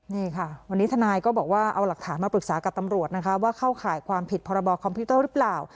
นี่ค่ะวันนี้ทนายก็บอกว่าเอาหลักฐานมาปรึกษากับตำรวจนะคะว่าเข้าข่ายความผิดพรบคอมพิวเตอร์หรือเปล่า